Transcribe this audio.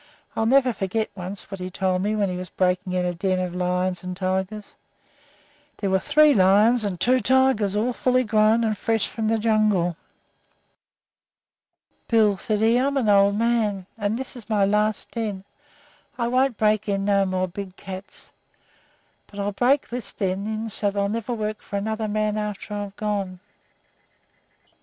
I'll never forget what he told me once when he was breaking in a den of lions and tigers there were three lions and two tigers, all full grown and fresh from the jungle. "'Bill,' said he, 'I'm an old man, and this here is my last den. I won't break in no more big cats, but I'll break this den in so they'll never work for another man after I'm gone.